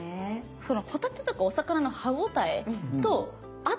そのホタテとかお魚の歯応えと合ってる。